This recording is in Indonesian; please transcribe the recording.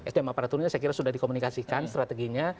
sdm aparaturnya saya kira sudah dikomunikasikan strateginya